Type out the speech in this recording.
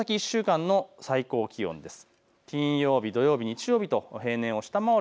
この先１週間の最高気温です。